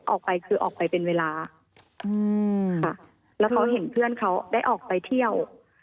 ออกไปคือออกไปเป็นเวลาค่ะแล้วเขาเห็นเพื่อนเขาได้ออกไปเที่ยว